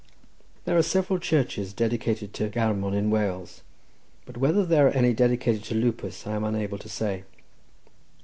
There are several churches dedicated to Garmon in Wales, but whether there are any dedicated to Lupus I am unable to say.